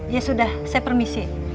ya sudah saya permisi